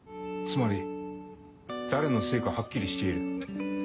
つまり誰のせいかはっきりしている。